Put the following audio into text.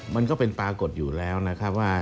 มันก็เป็นปรากฏอยู่แล้วนะครับว่า